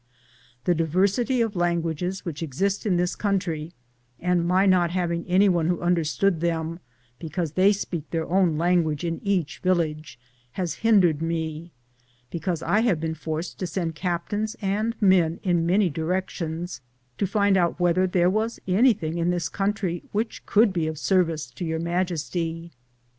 The diversity of lan guages which existB in this country and my not having anyone who understood them, because they speak their own language in each village, has hindered me, because I have been forced to send captains and men in many directions to find out whether there was anything in this country which could ligirized I:, G00gk' THE JOURNEY OP CORONADO be of service to Your Majesty.